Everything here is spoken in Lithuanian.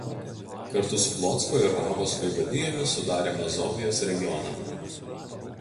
Kartu su Plocko ir Ravos vaivadijomis sudarė Mazovijos regioną.